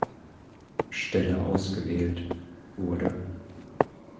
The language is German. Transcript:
Stelle ausgewählt wurde.